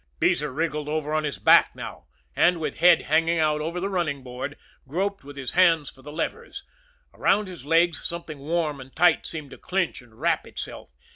Beezer wriggled over on his back now, and, with head hanging out over the running board, groped with his hands for the levers. Around his legs something warm and tight seemed to clinch and wrap itself.